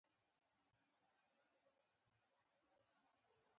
ورېځ تراوسه نږدې کېدل، کاروان په شپه کې یو ځل بیا ودرېد.